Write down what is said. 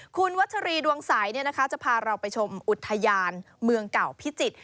คุณวัชรีดวงใสจะพาเราไปชมอุทยานเมืองเก่าพิจิตร